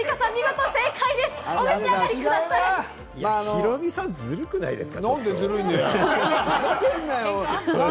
ヒロミさん、ずるくないですか？